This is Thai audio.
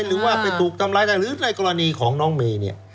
หรือว่าไปถูกทำร้ายได้หรือในกรณีของน้องเมย์เนี่ย